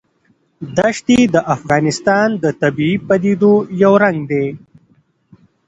دښتې د افغانستان د طبیعي پدیدو یو رنګ دی.